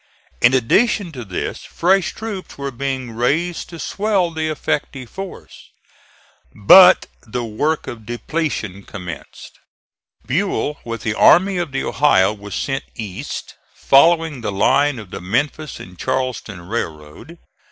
In addition to this fresh troops were being raised to swell the effective force. But the work of depletion commenced. Buell with the Army of the Ohio was sent east, following the line of the Memphis and Charleston railroad.